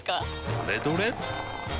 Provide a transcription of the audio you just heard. どれどれっ！